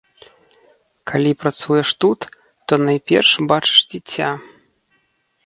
Калі працуеш тут, то найперш бачыш дзіця.